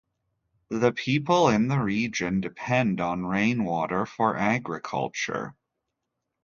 The people in the region depend on rainwater for agriculture.